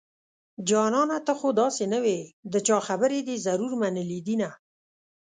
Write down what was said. جانانه ته خو داسې نه وي د چا خبرې دې ضرور منلي دينه